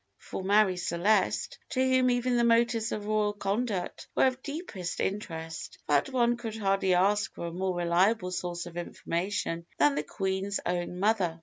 for Marie Celeste, to whom even the motives of royal conduct were of deepest interest, felt one could hardly ask for a more reliable source of information than the Queen's own mother.